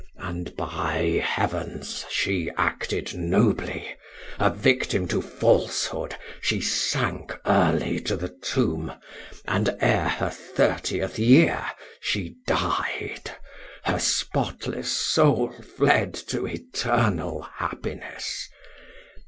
and, by heavens! she acted nobly. A victim to falsehood, she sank early to the tomb, and, ere her thirtieth year, she died her spotless soul fled to eternal happiness.